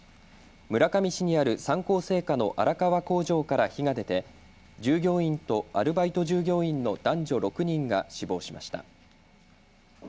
村上市にある三幸製菓の荒川工場から火が出て従業員とアルバイト従業員の男女６人が死亡しました。